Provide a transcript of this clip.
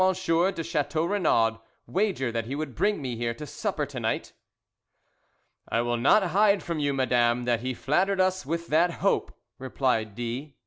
de Chateau Renaud wager that he would bring me here to supper to night?" "I will not hide from you, madame, that he flattered us with that hope," replied D